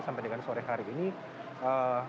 tidak terlalu banyak atau tidak terlalu signifikan